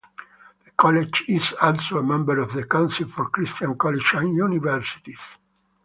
The college is also a member of Council for Christian Colleges and Universities.